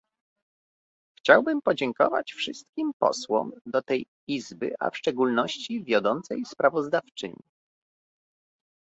Chciałbym podziękować wszystkim posłom do tej Izby, a w szczególności wiodącej sprawozdawczyni